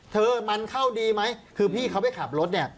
เธอมันเข้าดีไหมคือพี่เขาไปขับรถเนี่ย